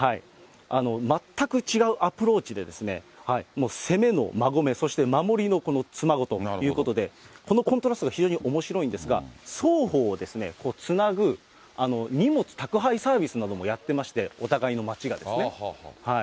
全く違うアプローチでですね、攻めの馬籠、守りのこの妻籠ということで、このコントラストが非常におもしろいんですが、双方をつなぐ荷物、宅配サービスなどもやってまして、お互いの町がですね。